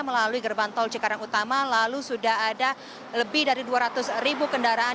melalui gerbang tol cikarang utama lalu sudah ada lebih dari dua ratus ribu kendaraan